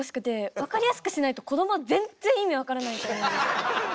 分かりやすくしないとこどもは全然意味分からないと思うんです。